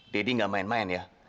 daddy nggak main main ya